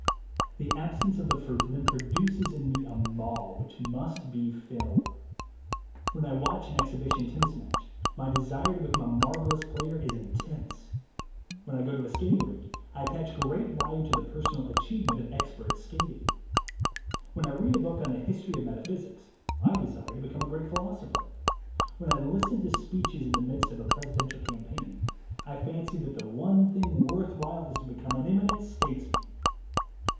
The absence of the fruit then produces in me a maw, which must be filled. When I watch an exhibition tennis match, my desire to become a marvellous player is intense. When I go to a skating rink, I attach great value to the personal achievement of expert skating. When I read a book on the history of metaphysics, I desire to become a great philosopher. When I listen to speeches in the midst of a presidential campaign, I fancy that the one thing worth while is to become an eminent statesman.